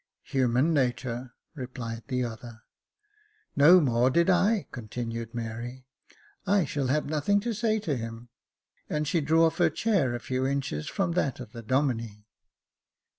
" Human natur," replied the other. " No more did I," continued Mary ;" I shall have nothing to say to him ;" and she drew off her chair a few inches from that of the Domine.